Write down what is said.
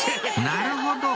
なるほど！